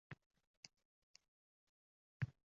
Qaritibman etibor berdim